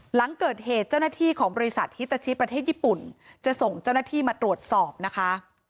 หลังเกิดเหตุเจ้าหน้าที่ของบริษัทฮิตาชิประเทศญี่ปุ่นจะส่งเจ้าหน้าที่มาตรวจสอบนะคะ